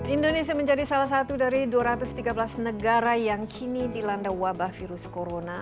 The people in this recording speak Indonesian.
indonesia menjadi salah satu dari dua ratus tiga belas negara yang kini dilanda wabah virus corona